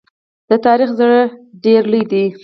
د تاریخ زړه ډېر لوی دی.